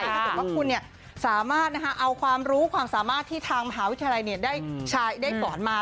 ถ้าเกิดว่าคุณสามารถเอาความรู้ความสามารถที่ทางมหาวิทยาลัยได้สอนมา